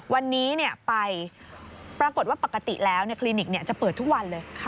วันนี้เนี่ยไปปรากฏว่าปกติแล้วเนี่ยคลินิกเนี่ยจะเปิดทุกวันเลยค่ะ